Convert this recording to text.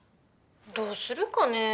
☎どうするかね。